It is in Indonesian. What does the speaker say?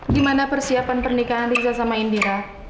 gimana persiapan pernikahan riza sama indira